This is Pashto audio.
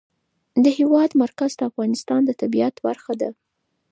د هېواد مرکز د افغانستان د طبیعت برخه ده.